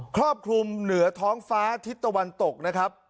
ครอบคลุมเหนือท้องฟ้าอาทิสตวรรณตก